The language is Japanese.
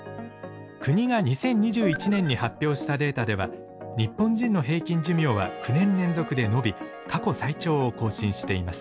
国が２０２１年に発表したデータでは日本人の平均寿命は９年連続で延び過去最長を更新しています。